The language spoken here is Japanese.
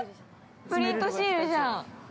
◆プリントシールじゃん。